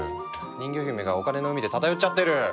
人魚姫がお金の海で漂っちゃってる！